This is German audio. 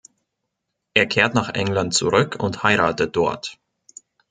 Er kehrt nach England zurück und heiratet dort.